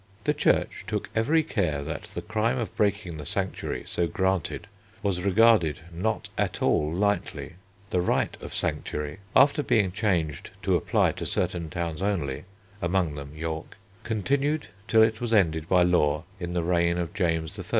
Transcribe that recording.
The Church took every care that the crime of breaking the sanctuary so granted was regarded not at all lightly. The right of sanctuary, after being changed to apply to certain towns only among them York continued till it was ended by law in the reign of James I.